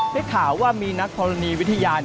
ได้ข่าวว่ามีนักธรณีวิทยา